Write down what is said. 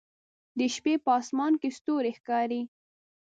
د شپې په اسمان کې ستوري ښکاري